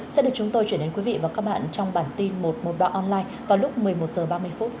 sẽ được chúng tôi chuyển đến quý vị và các bạn trong bản tin một một đoạn online vào lúc một mươi một h ba mươi